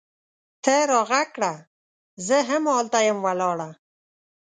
ته را ږغ کړه! زه هم هلته یم ولاړه